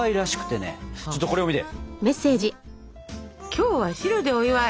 「今日は白でお祝い！」。